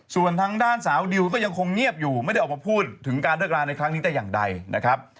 ส่วนทางด้านสาวดิวก็ยังคงเงียบอยู่ไม่ได้ออกมาพูดถึงการเลิกราในครั้งนี้แต่อย่างใดนะครับ